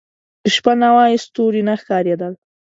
• که شپه نه وای، ستوري نه ښکاره کېدل.